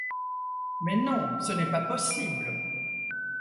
Mais non ! ce n’est pas possible !